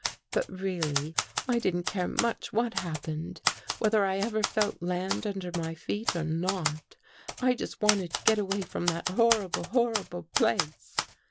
But, really, I didn't care much what happened — whether I ever felt land under my feet or not. I just wanted to get away from that hor rible, horrible place.